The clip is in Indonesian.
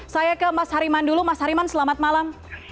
saya ke mas hariman dulu mas hariman selamat malam